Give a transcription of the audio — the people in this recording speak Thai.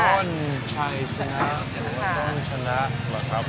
ต้นชายชนะหรือต้นชนะหรอครับ